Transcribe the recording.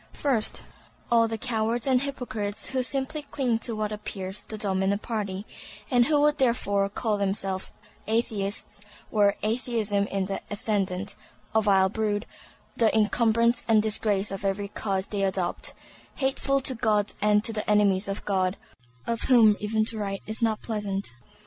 First, all the cowards and hypocrites who simply cling to what appears the dominant party, and who would therefore call themselves Atheists were Atheism in the ascendant; a vile brood, the incumbrance and disgrace of every cause they adopt; "hateful to God and to the enemies of God"; of whom even to write is not pleasant.